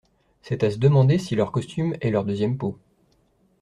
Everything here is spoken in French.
C'est à se demander si leur costume est leur deuxième peau.